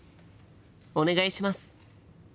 お願いします！